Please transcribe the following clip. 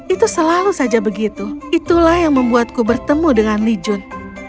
itu selalu saja begitu itulah yang membuatku bertemu dengan li jun